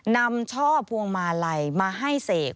ช่อพวงมาลัยมาให้เสก